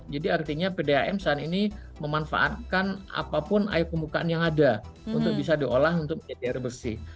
jadi artinya pdam saat ini memanfaatkan apapun air kebukaan yang ada untuk bisa diolah untuk air bersih